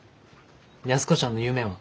安子ちゃんの夢は？